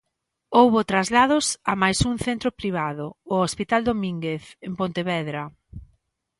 Houbo traslados a máis un centro privado, o hospital Domínguez, en Pontevedra.